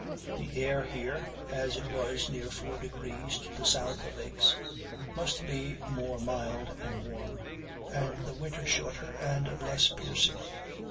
The air here, as it was near four degrees to the south of Aix, must be more mild and warm, and the winter shorter and less piercing.